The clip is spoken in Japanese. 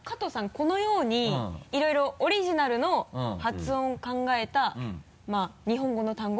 このようにいろいろオリジナルの発音を考えたまぁ日本語の単語